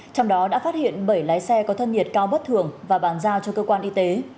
trong đó đã phát hiện bảy lái xe có thân nhiệt cao bất thường và bàn giao cho cơ quan y tế